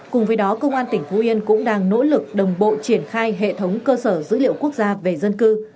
cùng với đó công an tỉnh phú yên cũng đang nỗ lực đồng bộ triển khai hệ thống cơ sở dữ liệu quốc gia về dân cư